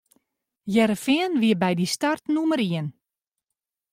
Hearrenfean wie by dy start nûmer ien.